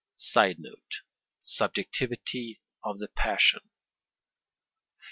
[Sidenote: Subjectivity of the passion.